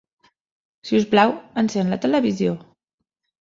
Sisplau, encén la televisió.